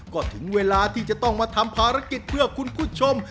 ก็ถึงเวลาที่จะต้องมาทำภารกิจเพื่อคุณผู้ชม